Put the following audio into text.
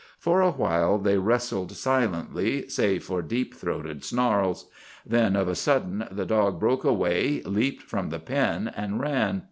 For a while they wrestled silently, save for deep throated snarls. Then of a sudden the dog broke away, leaped from the pen, and ran.